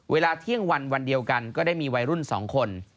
เที่ยงวันวันเดียวกันก็ได้มีวัยรุ่น๒คน